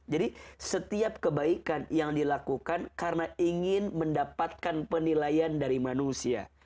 jadi setiap kebaikan yang dilakukan karena ingin mendapatkan penilaian dari manusia